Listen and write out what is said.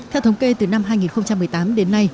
theo thống kê từ năm hai nghìn một mươi tám đến nay